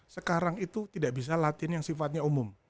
sekarang itu tidak bisa latihan yang sifatnya umum